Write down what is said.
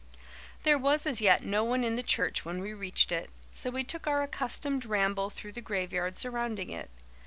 There was as yet no one in the church when we reached it, so we took our accustomed ramble through the graveyard surrounding it.